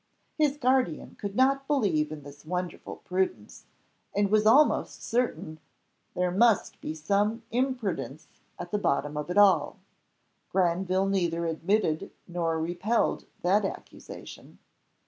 His guardian could not believe in this wonderful prudence, and was almost certain "there must be some imprudence at the bottom of it all." Granville neither admitted nor repelled that accusation.